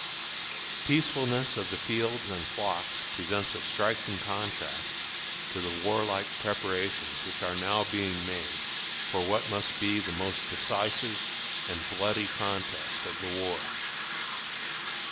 The peacefulness of the fields and flocks presents a striking contrast to the warlike preparations which are now being made for what must be the most decisive and bloody contest of the war.